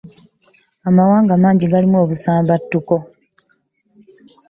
Amawanga mangi galimu obusambattuko.